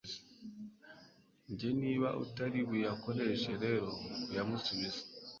njye niba utari buyakoreshe rero uyamusubize